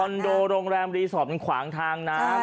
คอนโดโรงแรมรีสอบถึงขวางทางน้ำ